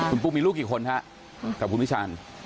คุณปุ๊กมีลูกกี่คนฮะกับคุณวิชาญ